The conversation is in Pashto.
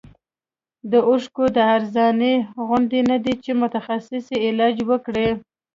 د اوښکو د ارزانۍ غوندې نه دی چې متخصص یې علاج وکړي.